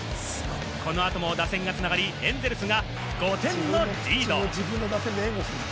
この後も打線が繋がり、エンゼルスが５点のリード。